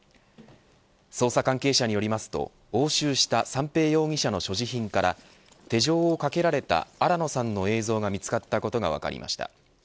捜査関係者によりますと押収した三瓶容疑者の所持品から手錠をかけられた新野さんの映像が見つかったことが分かりました。